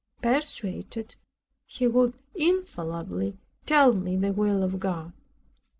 Persuaded, he would infallibly tell me the will of God.